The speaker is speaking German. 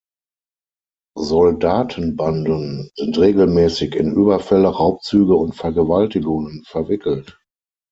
Soldatenbanden sind regelmäßig in Überfälle, Raubzüge und Vergewaltigungen verwickelt.